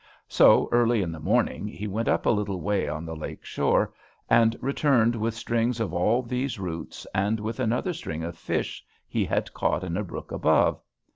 So, early in the morning, he went up a little way on the lake shore, and returned with strings of all these roots, and with another string of fish he had caught in a brook above.